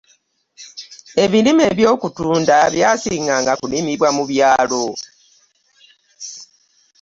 Ebirime eby'okutunda ebyasinga kulimibwa nga mu byalo.